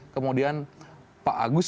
kemudian pak agus